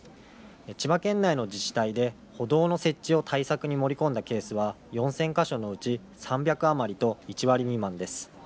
千葉県内の自治体で歩道の設置を対策に盛り込んだケースは４０００か所のうち３００余りと１割未満です。